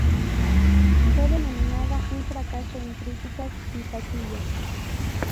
Fue denominada un fracaso en críticas y taquilla.